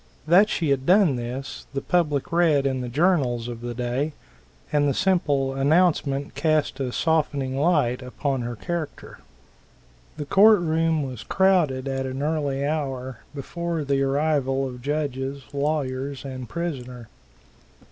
That she had done this, the public read in the journals of the day, and the simple announcement cast a softening light upon her character. The court room was crowded at an early hour, before the arrival of judges, lawyers and prisoner.